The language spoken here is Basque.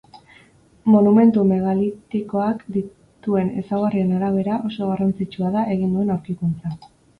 Monumentu megalitikoak dituen ezaugarrien arabera, oso garrantzitsua da egin duen aurkikuntza.